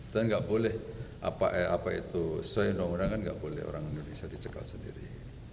dan tidak boleh apa itu sesuai undang undang kan tidak boleh orang indonesia dicekal sendiri